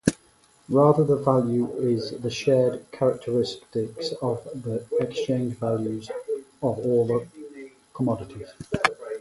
Rather, the value is the shared characteristic of the exchange-values of all the commodities.